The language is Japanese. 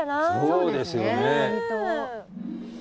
そうですね。